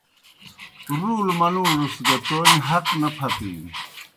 رُولوْ منُگوڙوْس گہ تومیْ حق نہ پھتِینوْ۔